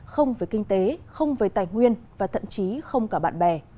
không về kinh tế không về tài nguyên và thậm chí không cả bạn bè